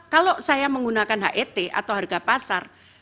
kalau saya menggunakan het atau harga pasar